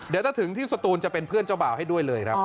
เดี๋ยวถ้าถึงที่สตูนจะเป็นเพื่อนเจ้าบ่าวให้ด้วยเลยครับ